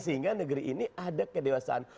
sehingga negeri ini ada kedewasaan